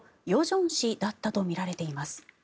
正氏だったとみられています。